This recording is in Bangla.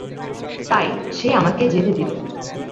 তাই, সে আমাকে যেতে দিলো।